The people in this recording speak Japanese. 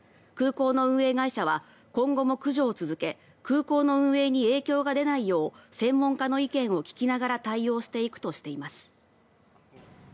空港の運営会社は今後も駆除を続け空港の運営に影響が出ないよう専門家の意見を聞きながら対応していくとしています。